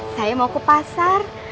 saya mau ke pasar